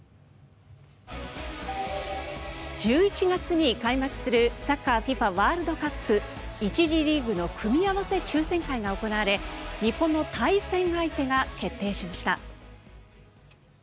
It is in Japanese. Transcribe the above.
１１月に開幕するサッカーＦＩＦＡワールドカップ１次リーグの組み合わせ抽選会が行われ日本の対戦相手が決定しました。